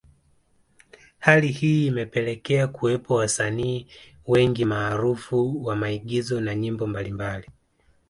Hali hii imepelekea kuwepo wasanii wengi maarufu wa maigizo na nyimbo mbalimbali